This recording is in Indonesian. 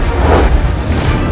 akan kau menang